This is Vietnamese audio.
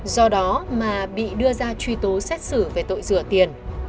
do đó mà bị đưa ra truy tố xét xử về tội rửa tiền